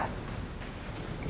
bantuan apa ren